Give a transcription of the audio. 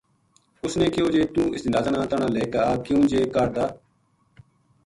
اس نے کہیو جے توہ اس جنازہ نا تنہاں لے آ کیوں جے کاہڈ دا